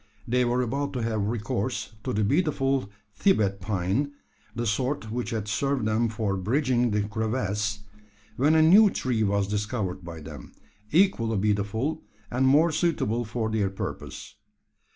They were about to have recourse to the beautiful Thibet pine the sort which had served them for bridging the crevasse when a new tree was discovered by them, equally beautiful, and more suitable for their purpose.